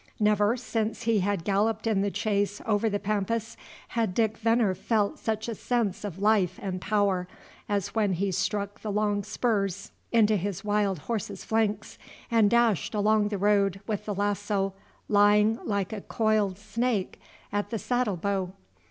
Never, since he had galloped in the chase over the Pampas, had Dick Venner felt such a sense of life and power as when he struck the long spurs into his wild horse's flanks, and dashed along the road with the lasso lying like a coiled snake at the saddle bow.